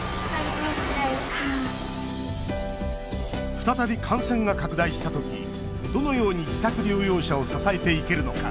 再び感染が拡大したときどのように自宅療養者を支えていけるのか。